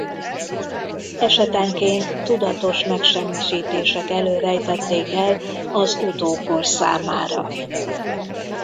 Esetenként tudatos megsemmisítések elől rejtették el az utókor számára.